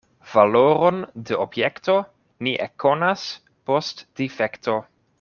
Valoron de objekto ni ekkonas post difekto.